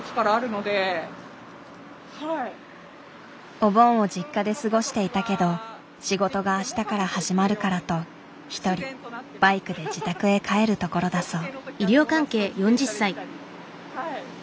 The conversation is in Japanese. お盆を実家で過ごしていたけど仕事が明日から始まるからと一人バイクで自宅へ帰るところだそう。